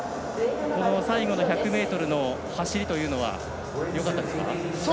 最後の１００ｍの走りというのはよかったですか？